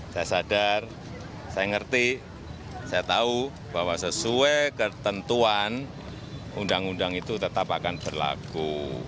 saya sadar saya ngerti saya tahu bahwa sesuai ketentuan undang undang itu tetap akan berlaku